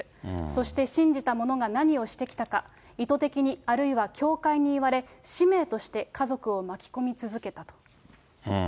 そして信じたものが何をしてきたか、意図的に、あるいは教会に言われ、使命として家族を巻き込み続けたと。